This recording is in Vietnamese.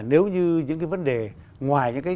nếu như những cái vấn đề ngoài những cái